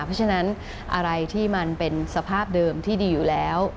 เพราะฉะนั้นอะไรที่มันเป็นสภาพเดิมที่ดีอยู่แล้ว